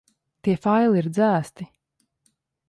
Tie faili ir dzēsti.